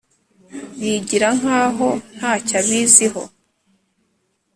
Yigira nkaho ntacyo abiziho